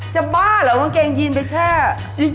จะบ้าเหรอว่าเกงยีนจริง